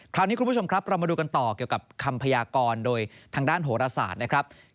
คราวนี้คุณผู้ชมครับเรามาดูกันต่อเกี่ยวกับคำพยากรโดยทางด้านโหรศาสตร์นะครับ